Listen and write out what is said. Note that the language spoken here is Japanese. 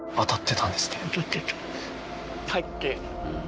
入って。